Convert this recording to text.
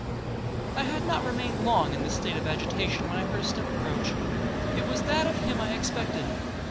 'I had not remained long in this state of agitation, when I heard a step approach,—it was that of him I expected.